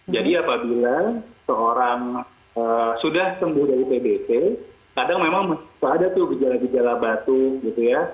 jadi apabila seorang sudah sembuh dari tbc kadang memang ada tuh gejala gejala batu gitu ya